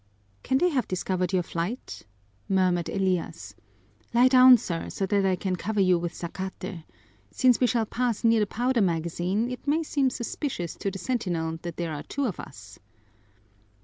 "Can they have discovered your flight?" murmured Elias. "Lie down, sir, so that I can cover you with zacate. Since we shall pass near the powder magazine it may seem suspicious to the sentinel that there are two of us."